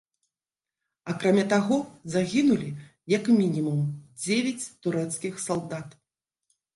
Акрамя таго, загінулі як мінімум дзевяць турэцкіх салдат.